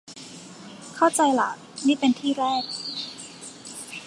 เข้าใจล่ะ นี่เป็นที่แรก